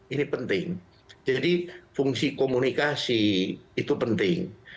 ini penting jadi fungsi komunikasi itu penting